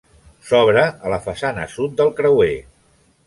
S'obre a la façana sud del creuer.